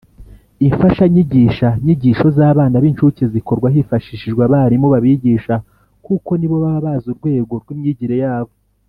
Imfashanyigishanyigisho zabana binshuke zikorwa hifashishijwe abarimu babigisha kuko nibo baba bazi urwego rwimyigigire yabo.